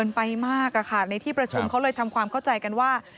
ในที่ประชุมเขาเลยทำความเข้าใจกันว่า